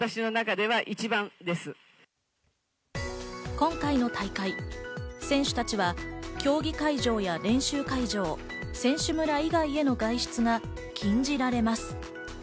今回の大会、選手たちは競技会場や練習会場、選手村以外への外出が禁じられます。